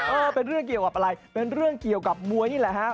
เออเป็นเรื่องเกี่ยวกับอะไรเป็นเรื่องเกี่ยวกับมวยนี่แหละฮะ